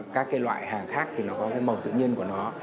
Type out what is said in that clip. các cái loại hàng khác thì nó có cái màu tự nhiên của nó